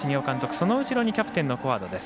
その後ろにキャプテンの古和田です。